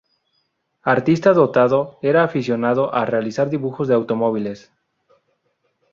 Artista dotado, era aficionado a realizar dibujos de automóviles.